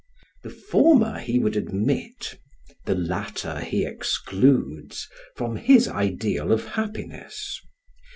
] The former he would admit, the latter he excludes from his ideal of happiness.